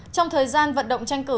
trong thời gian vận động tranh cử